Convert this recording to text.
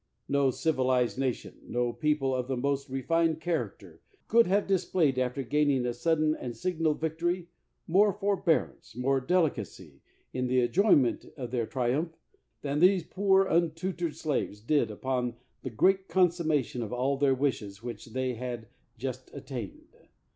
No civilized nation, no people of the most re fined character, could have displayed, after gain ing a sudden and signal \'ictory, more forbear ance, more delicacy, in the enjoyment of their triumph, than these poor untutored slaves did upon the great consummation of all their wishes which they had just attained.